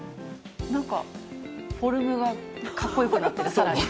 なんか、フォルムがかっこよくなってる。